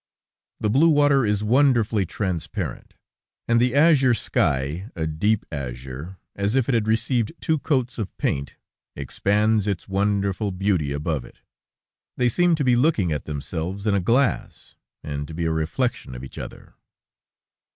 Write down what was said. The blue water is wonderfully transparent, and the azure sky, a deep azure, as if it had received two coats of paint, expands its wonderful beauty above it. They seem to be looking at themselves in a glass, and to be a reflection of each other.